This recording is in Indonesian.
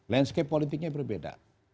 lanscape politiknya berbeda